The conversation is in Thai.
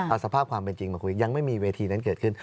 เอาสภาพความเป็นจริงมาคุยกัน